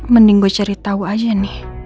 mending gue cari tahu aja nih